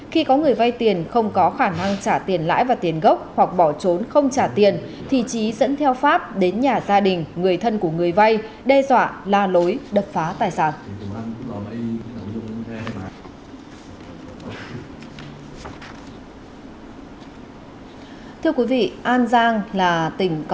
khi có người vay tiền không có khả năng trả tiền lãi và tiền gốc hoặc bỏ trốn không trả tiền thì trí dẫn theo pháp đến nhà gia đình người thân của người vay đe dọa la lối đập phá tài sản